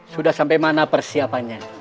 sudah sampai mana persiapannya